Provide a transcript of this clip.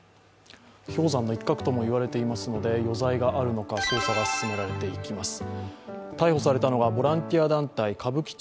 氷山の一角とも言われていますので、余罪があるのか捜査が進められていきます。